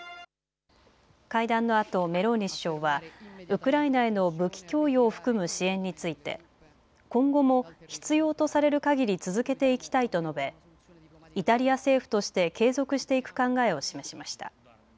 会談のあとメローニ首相はウクライナへの武器供与を含む支援について今後も必要とされるかぎり続けていきたいと述べイタリア政府として継続していく考えを示しました。